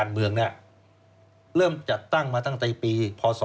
เริ่มจัดตั้งมาตั้งแต่ปี๒๕๔๐